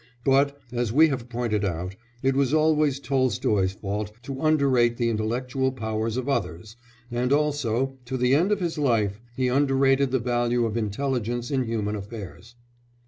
But, as we have pointed out, it was always Tolstoy's fault to underrate the intellectual powers of others, and also, to the end of his life, he underrated the value of intelligence in human affairs.